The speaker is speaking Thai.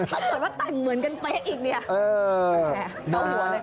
ถ้าเกิดว่าตังเหมือนกันไปอีกเนี่ย